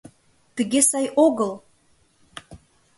— Тыге сай огыл!